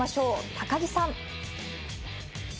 高木さん。